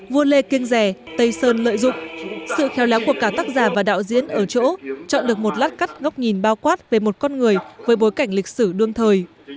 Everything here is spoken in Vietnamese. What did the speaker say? vua lê kiên rè tây sơn lợi dụng sự khéo léo của cả tác giả và đạo diễn ở chỗ chọn được một lát cắt góc nhìn bao quát về một con người với bối cảnh lịch sử đương thời